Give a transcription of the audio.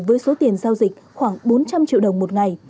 với số tiền giao dịch khoảng bốn trăm linh triệu đồng một ngày